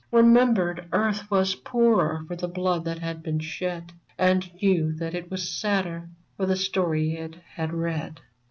Remembered earth was poorer for the blood that had been shed, And knew that it was sadder for the story it had read